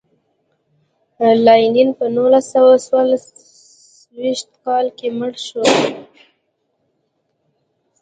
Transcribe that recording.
لینین په نولس سوه څلور ویشت کال کې مړ شو.